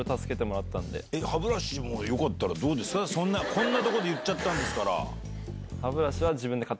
こんなとこで言っちゃったんですから。